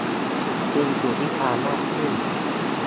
จึงถูกวิจารณ์มากขึ้น